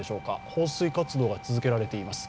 放水活動が続けられています。